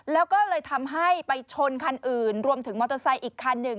แล้วก็เลยทำให้ไปชนคันอื่นรวมถึงมอเตอร์ไซค์อีกคันหนึ่ง